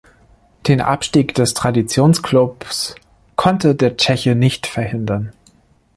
Den Abstieg des Traditionsklubs konnte der Tscheche nicht verhindern.